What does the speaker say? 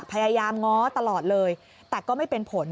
พยายามง้อตลอดเลยแต่ก็ไม่เป็นผล